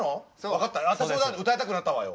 分かった私も歌いたくなったわよ。